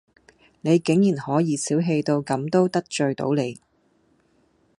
你竟然可以小器到咁都得罪到你